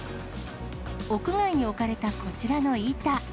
屋外に置かれたこちらの板。